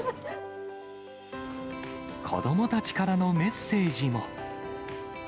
子どもたちからのメッセージも。